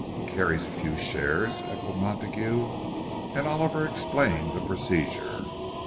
"Carries a few shares?" echoed Montague, and Oliver explained the procedure.